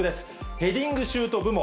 ヘディングシュート部門。